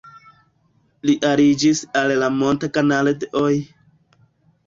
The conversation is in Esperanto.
Li aliĝis al la "Montagnard"-oj.